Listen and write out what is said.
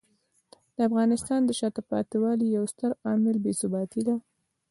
د افغانستان د شاته پاتې والي یو ستر عامل بې ثباتي دی.